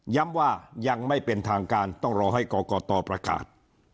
ย้ำว่ายังไม่เป็นทางการต้องรอให้กรกตประกาศ